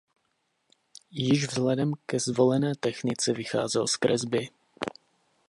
Již vzhledem ke zvolené technice vycházel z kresby.